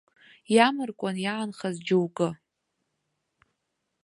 Иамаркуан иаанхаз џьоукы.